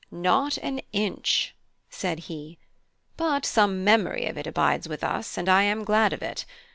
"Not an inch," said he; "but some memory of it abides with us, and I am glad of it.